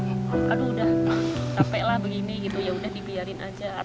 aduh udah capeklah begini gitu